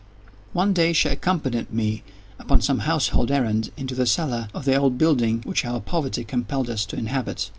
One day she accompanied me, upon some household errand, into the cellar of the old building which our poverty compelled us to inhabit.